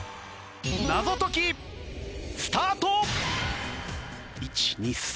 謎解きスタート！